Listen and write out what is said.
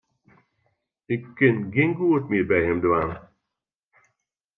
Ik kin gjin goed mear by him dwaan.